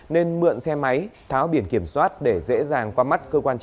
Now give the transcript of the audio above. nên mượn xe máy tháo biển kiểm soát để dễ dàng qua